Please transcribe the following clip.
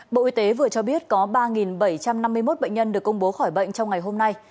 bộ y tế vừa cho biết có ba bảy trăm năm mươi một bệnh nhân được công bố khỏi bệnh trong ngày hôm nay